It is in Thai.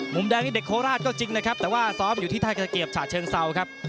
มุมแดงนี่เด็กโคราชก็จริงนะครับแต่ว่าซ้อมอยู่ที่ท่ากระเกียบฉะเชิงเซาครับ